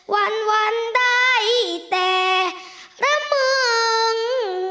วันได้แต่ละเมือง